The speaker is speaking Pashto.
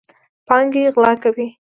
پانګې غلا کوي.